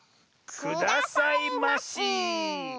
くださいまし。